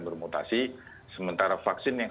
bermutasi sementara vaksin yang